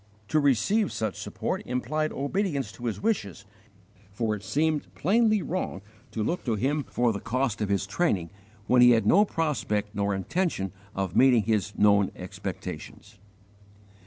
_ To receive such support implied obedience to his wishes, for it seemed plainly wrong to look to him for the cost of his training when he had no prospect nor intention of meeting his known expectations.